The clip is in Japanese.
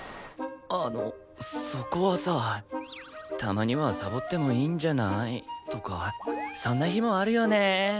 あのそこはさ「たまにはサボってもいいんじゃない？」とか「そんな日もあるよね」とか。